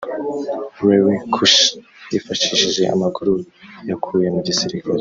Larry Kusche yifashishije amakuru yakuye mu gisirikare